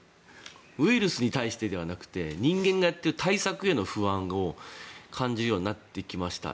ウイルスに対してではなく人間がやっている対策への不安を感じるようになってきました。